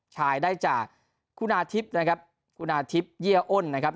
ชายได้จากคุณอาทิพย์นะครับคุณอาทิพย์เยี่ยอ้นนะครับ